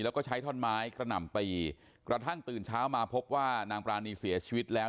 แล้วก็ใช้ท่อนไม้กระหน่ำตีกระทั่งตื่นเช้ามาพบว่านางปรานีเสียชีวิตแล้ว